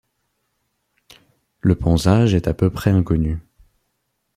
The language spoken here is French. Le pansage est à peu près inconnu.